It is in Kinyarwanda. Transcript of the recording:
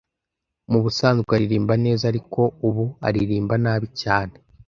Mubusanzwe aririmba neza, ariko ubu aririmba nabi cyane.